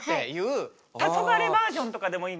たそがれバージョンとかでもいいんですか？